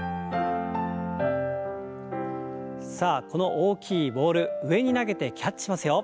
さあこの大きいボール上に投げてキャッチしますよ。